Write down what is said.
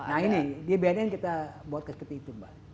nah ini di bnn kita buatkan seperti itu mbak